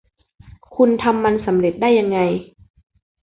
คุณทำมันสำเร็จได้ยังไง